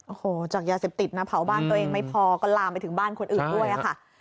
โอ้โหจากยาเสพติดนะเผาบ้านตัวเองไม่พอก็ลามไปถึงบ้านคนอื่นด้วยค่ะ